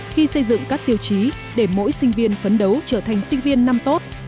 khi xây dựng các tiêu chí để mỗi sinh viên phấn đấu trở thành sinh viên năm tốt